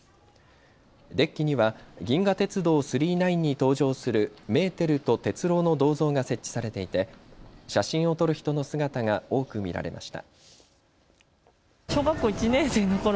デッキには銀河鉄道９９９に登場するメーテルと鉄郎の銅像が設置されていて写真を撮る人の姿が多く見られました。